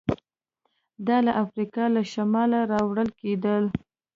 دا له افریقا له شماله راوړل کېدل